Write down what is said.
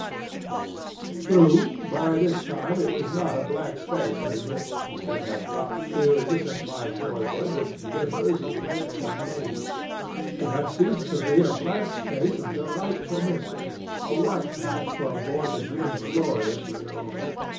"True, by this time it was not a blank space any more. It had got filled since my boyhood with rivers and lakes and names. It had ceased to be a blank space of delightful mystery a white patch for a boy to dream gloriously over.